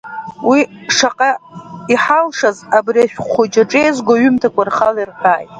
Уи шаҟа иҳалшаз абри ашәҟә хәыҷы аҿы еизгоу аҩымҭақәа рхала ирҳәааит.